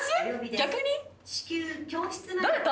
逆に。